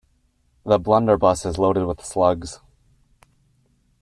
The blunderbuss is loaded with slugs.